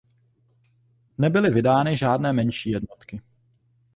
Nebyly vydány žádné menší jednotky.